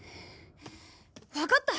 わかった！